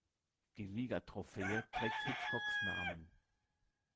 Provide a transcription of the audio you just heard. Die Liga-Trophäe trägt Hitchcocks Namen.